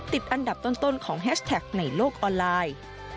ติดอันดับต้นของแฮชแท็กในโลกออนไลน์